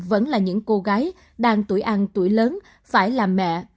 vẫn là những cô gái đang tuổi ăn tuổi lớn phải là mẹ